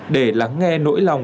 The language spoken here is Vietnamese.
để lắng nghe nỗi lòng